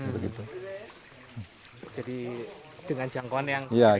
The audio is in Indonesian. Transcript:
jadi dengan jangkauan yang seperti ini